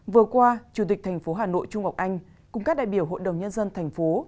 vừa qua chủ tịch tp hà nội trung ngọc anh cùng các đại biểu hội đồng nhân dân tp